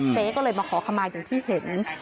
เจ๊ก็เลยมาขอขมาอย่างที่เห็น